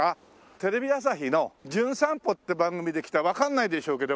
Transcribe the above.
テレビ朝日の『じゅん散歩』って番組で来たわかんないでしょうけど